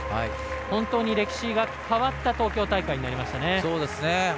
本当に歴史が変わった東京大会になりましたね。